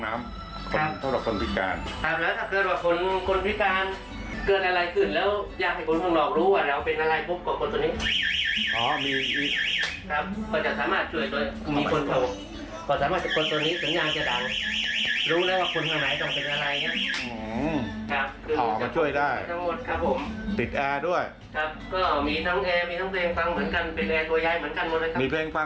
น่าผม